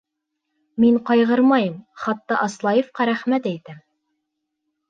Мин ҡайғырмайым, хатта Аслаевҡа рәхмәт әйтәм.